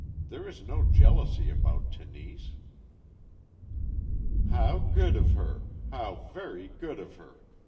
There is no jealousy about Tenise." "How good of her! How very good of her!"